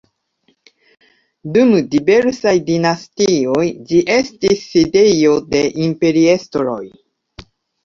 Dum diversaj dinastioj ĝi estis sidejo de imperiestroj.